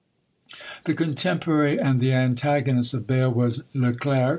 The contemporary and the antagonist of BAYLE was LE CLERC.